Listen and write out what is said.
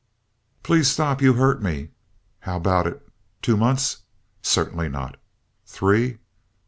"Please stop. You hurt me." "How about it? Two months?" "Certainly not." "Three?"